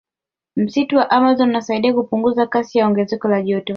Msitu wa amazon unasaidia kupunguza kasi ya ongezeko la joto